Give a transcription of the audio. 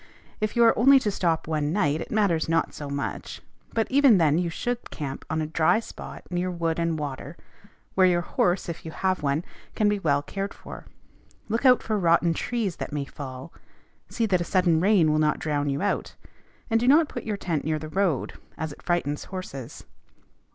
If you are only to stop one night, it matters not so much; but even then you should camp on a dry spot near wood and water, and where your horse, if you have one, can be well cared for. Look out for rotten trees that may fall; see that a sudden rain will not drown you out; and do not put your tent near the road, as it frightens horses.